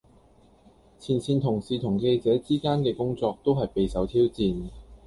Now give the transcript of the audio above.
前線同事同記者之間嘅工作都係備受挑戰